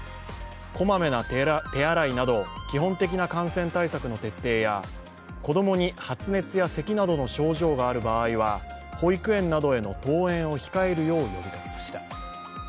こまめな手洗いなど基本的な感染対策の徹底や子供に発熱やせきなどの症状がある場合は保育園などへの登園を控えるよう呼びかけました。